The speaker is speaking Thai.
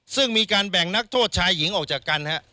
ซึ่งมีการแบ่งนักโทษชายหญิงออกจากกัน